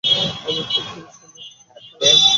অমিত উকিল Saskatoon, Saskatchewan, Canada.